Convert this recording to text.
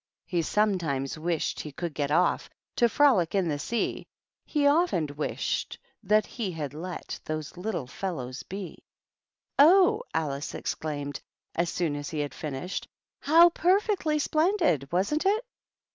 He sometimes wished /w could get off To frolie in the sea ; Sc often wished that he had hi Those Kttle fellows be." "Oh," Alice exclaimed, as soon as he had finished, " how perfectly splendid, wasn't it